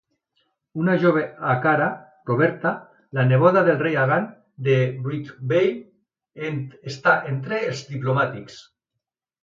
Una jove Acara, Roberta, la neboda del Rei Hagan de Brightvale, està entre els diplomàtics.